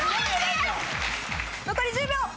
残り１０秒！